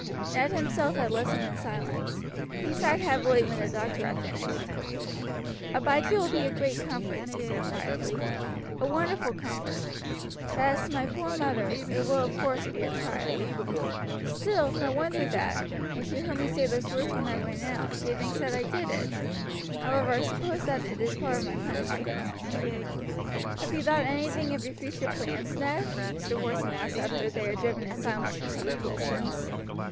Ned himself had listened in silence. He sighed heavily when the doctor had finished. "Abijah will be a great comfort," he said quietly, "a wonderful comfort; but as to my poor mother, it will of course be a trial. Still, no wonder that, when she heard me say those words when I went out, she thinks that I did it. However, I suppose that it is part of my punishment." "Have you thought anything of your future plans, Ned?" Mr. Porson asked after they had driven in silence for some distance.